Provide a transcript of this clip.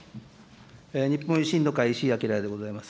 日本維新の会、石井章でございます。